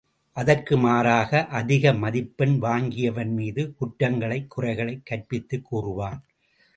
அதற்கு மாறாக அதிக மதிப்பெண் வாங்கியவன்மீது குற்றங்களை, குறைகளைக் கற்பித்துக் கூறுவான்.